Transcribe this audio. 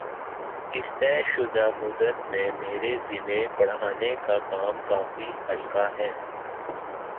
اِس طےشدہ مدت میں میرے ذمے پڑھانے کا کام کافی ہلکا ہے